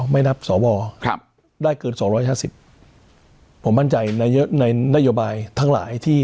ไม่นับสวครับได้เกินสองร้อยห้าสิบผมมั่นใจในนโยบายทั้งหลายที่